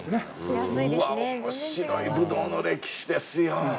うわ面白いブドウの歴史ですよ。